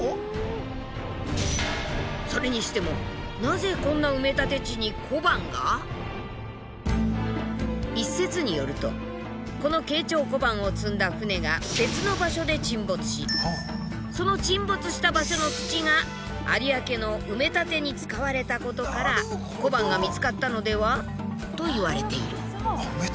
それにしても一説によるとこの慶長小判を積んだ船が別の場所で沈没しその沈没した場所の土が有明の埋め立てに使われたことから小判が見つかったのでは？といわれている。